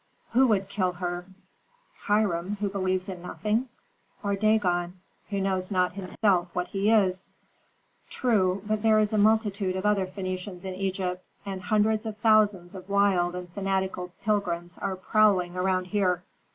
"Who would kill her, Hiram, who believes in nothing, or Dagon, who knows not himself what he is? True, but there is a multitude of other Phœnicians in Egypt, and hundreds of thousands of wild and fanatical pilgrims are prowling around here.